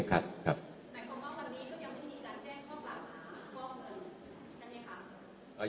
ส่งหัวมาไม่ครับ